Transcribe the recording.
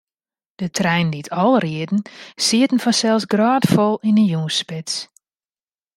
De treinen dy't ál rieden, sieten fansels grôtfol yn 'e jûnsspits.